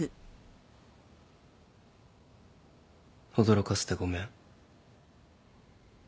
驚かせてごめん。